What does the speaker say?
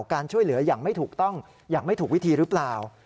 การช่วยเหลืออย่างไม่ถูกต้องอย่างไม่ถูกวิธีหรือเปล่า